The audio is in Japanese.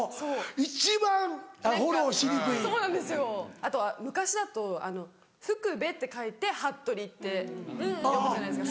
あとは昔だと「服部」って書いて「はっとり」って読むじゃないですか。